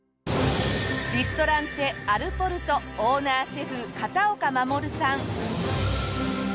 リストランテアルポルトオーナーシェフ片岡護さん。